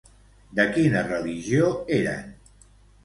De quina religió eren?